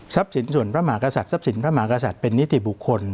สินส่วนพระมหากษัตริยทรัพย์สินพระมหากษัตริย์เป็นนิติบุคคล